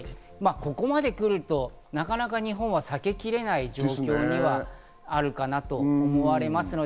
ここまでくると日本は避けきれない状況にあるかなと思いますので、